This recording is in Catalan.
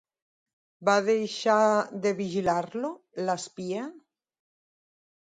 Va deixar de vigilar-lo, l'espia?